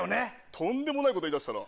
とんでもないこと言いだしたな。